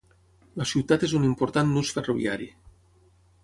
La ciutat és un important nus ferroviari.